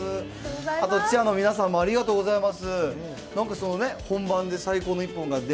あとチアの皆さんもありがとうございます。